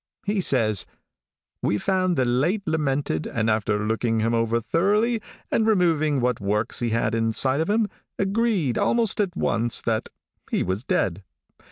He says: "We found the late lamented, and after looking him over thoroughly, and removing what works he had inside of him, agreed, almost at once, that he was dead.